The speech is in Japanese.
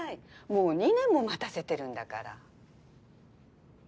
もう２年も待たせてるんだから。